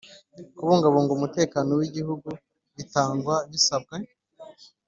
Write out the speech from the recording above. kubungabunga umutekano w Igihugu gitangwa bisabwe